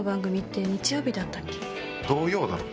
土曜だろ。